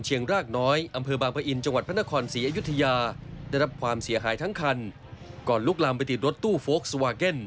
สีอยุธยาได้รับความเสียหายทั้งคันก่อนลุกลามไปติดรถตู้โฟคสวาเกิ้ล